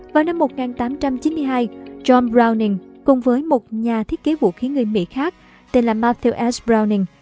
vào năm một nghìn tám trăm chín mươi hai john browning cùng với một nhà thiết kế vũ khí người mỹ khác tên là mapth waz browning